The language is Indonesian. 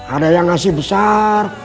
ada yang ngasih besar